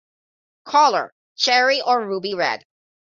Colour: cherry or ruby red.